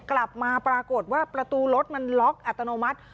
กลับมาปรากฏว่าประตูรถมันล็อกอัตโนมัติ